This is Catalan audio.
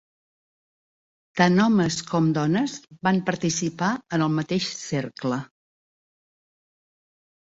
Tant homes com dones van participar en el mateix cercle.